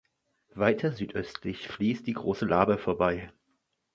Weiter südöstlich fließt die Große Laber vorbei.